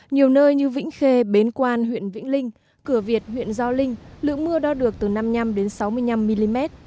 nhiều nơi như vĩnh khê bến quan huyện vĩnh linh cửa việt huyện gio linh lượng mưa đo được từ năm mươi năm sáu mươi năm mm